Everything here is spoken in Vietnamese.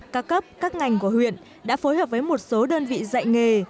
các cấp các ngành của huyện đã phối hợp với một số đơn vị dạy nghề